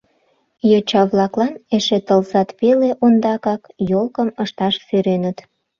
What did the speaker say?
Йоча-влаклан эше тылзат пеле ондакак ёлкым ышташ сӧреныт.